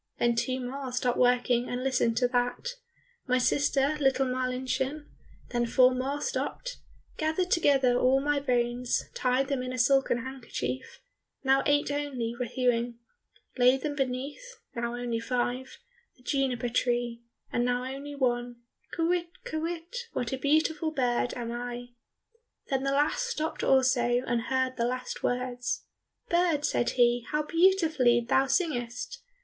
Then two more stopped working and listened to that, "My sister, little Marlinchen," Then four more stopped, "Gathered together all my bones, Tied them in a silken handkerchief," Now eight only were hewing, "Laid them beneath" Now only five, "The juniper tree," And now only one, "Kywitt, kywitt, what a beautiful bird am I!" Then the last stopped also, and heard the last words. "Bird," said he, "how beautifully thou singest!